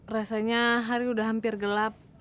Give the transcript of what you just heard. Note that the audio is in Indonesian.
rasanya hari udah hampir gelap